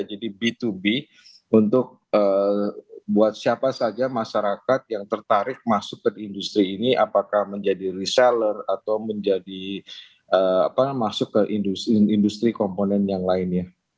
jadi b dua b untuk buat siapa saja masyarakat yang tertarik masuk ke industri ini apakah menjadi reseller atau menjadi masuk ke industri komponen